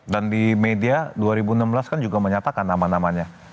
dan di media dua ribu enam belas kan juga menyatakan nama namanya